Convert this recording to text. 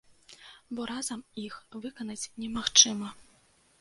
Бо разам іх выканаць немагчыма.